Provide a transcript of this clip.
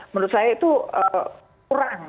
menurut saya itu kurang